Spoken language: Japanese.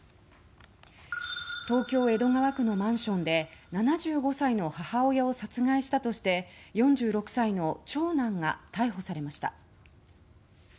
東京・江戸川区のマンションで７５歳の母親を殺害したとして４６歳の長男が逮捕されました。